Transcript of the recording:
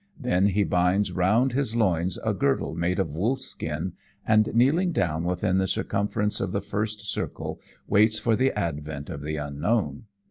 Then he binds round his loins a girdle made of wolf's skin, and kneeling down within the circumference of the first circle, waits for the advent of the Unknown.